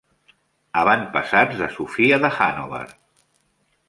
Avantpassats de Sofia de Hannover.